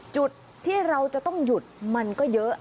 จุดที่เราจะต้องหยุดมันก็เยอะ